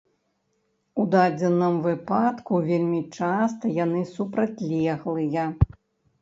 У дадзеным выпадку вельмі часта яны супрацьлеглыя.